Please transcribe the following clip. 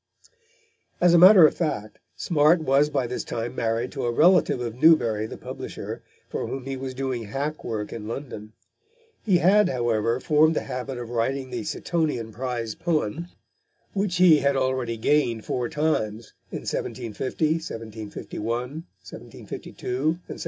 As a matter of fact, Smart was by this time married to a relative of Newbery, the publisher, for whom he was doing hack work in London. He had, however, formed the habit of writing the Seatonian prize poem, which he had already gained four times, in 1750, 1751, 1752, and 1753.